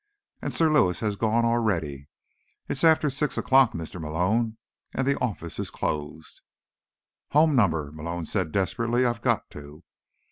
And Sir Lewis has gone already. It's after six o'clock, Mr. Malone, and the office is closed." "Home number," Malone said desperately. "I've got to."